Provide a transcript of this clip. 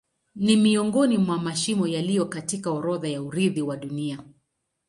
Ni miongoni mwa mashimo yaliyo katika orodha ya urithi wa Dunia.